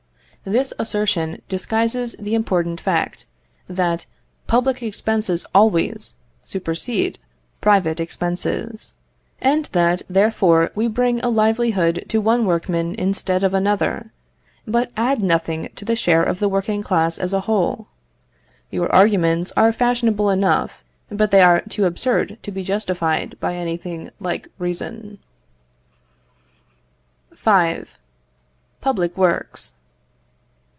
This assertion disguises the important fact, that public expenses always supersede private expenses, and that therefore we bring a livelihood to one workman instead of another, but add nothing to the share of the working class as a whole. Your arguments are fashionable enough, but they are too absurd to be justified by anything like reason. V. Public Works.